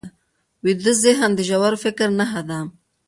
ویده ذهن د ژور فکر نښه ده